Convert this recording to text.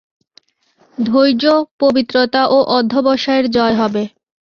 ধৈর্য, পবিত্রতা ও অধ্যবসায়ের জয় হবে।